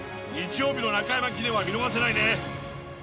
日曜日の中山記念は見逃せないね。